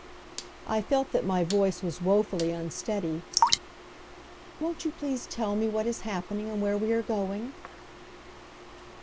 I felt that my voice was woefully unsteady. "Won't you please tell me what is happening and where we are going?"